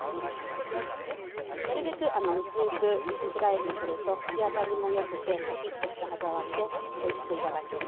なるべく薄くスライスすると口当たりもよくてシャキッとした歯触りでおいしく頂けます。